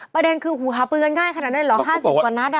ประเด็นคือหาปืนกันง่ายขนาดนั้นเหรอ๕๐กว่านัด